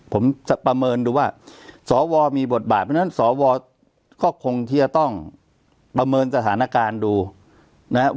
ผมประเมินดูว่าสวมีบทบาทเพราะฉะนั้นสวก็คงที่จะต้องประเมินสถานการณ์ดูนะครับ